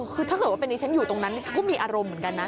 คือถ้าเกิดว่าเป็นดิฉันอยู่ตรงนั้นก็มีอารมณ์เหมือนกันนะ